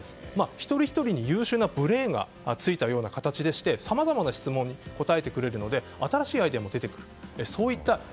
一人ひとりに優秀なブレーンが付いた形でしてさまざまな質問に答えてくれるので新しいアイデアも出てくる。